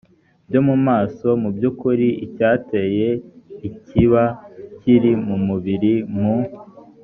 byo mu maso mu by ukuri icyayiteye kiba kiri mu mubiri mu